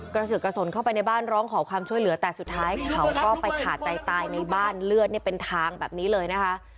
สึกกระสุนเข้าไปในบ้านร้องขอความช่วยเหลือแต่สุดท้ายเขาก็ไปขาดใจตายในบ้านเลือดเนี่ยเป็นทางแบบนี้เลยนะคะ